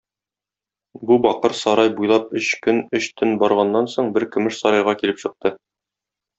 Бу бакыр сарай буйлап өч көн, өч төн барганнан соң, бер көмеш сарайга килеп чыкты.